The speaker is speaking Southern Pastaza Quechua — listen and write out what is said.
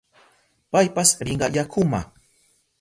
Paypas rinka yakuma.